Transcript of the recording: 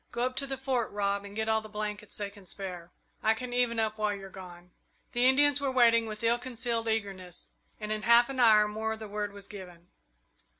Go up to the Fort, Rob, and get all the blankets they can spare I can even up while you're gone." The Indians were waiting with ill concealed eagerness, and in half an hour more the word was given.